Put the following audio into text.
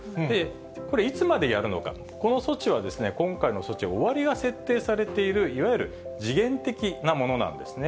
これ、いつまでやるのか、この措置は、今回の措置は終りが設定されている、いわゆる時限的なものなんですね。